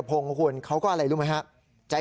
พระขู่คนที่เข้าไปคุยกับพระรูปนี้